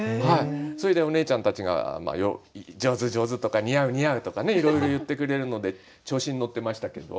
それでおねえちゃんたちが「上手上手」とか「似合う似合う」とかねいろいろ言ってくれるので調子に乗ってましたけど。